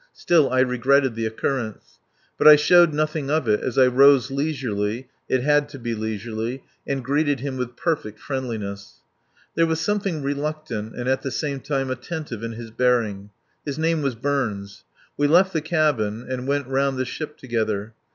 Still, I regretted the occurrence. But I showed nothing of it as I rose leisurely (it had to be leisurely) and greeted him with perfect friendliness. There was something reluctant and at the same time attentive in his bearing. His name was Burns. We left the cabin and went round the ship together.